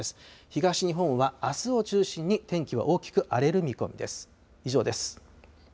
東日本はあすを中心に天気は大きく荒れる見込みです。